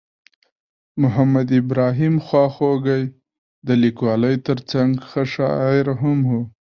محمد ابراهیم خواخوږی د لیکوالۍ ترڅنګ ښه شاعر هم ؤ.